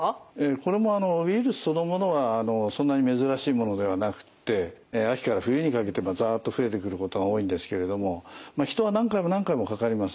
これもウイルスそのものはそんなに珍しいものではなくて秋から冬にかけてざっと増えてくることが多いんですけれども人は何回も何回もかかります。